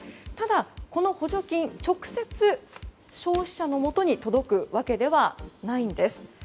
ただ、この補助金直接消費者のもとに届くわけではないんです。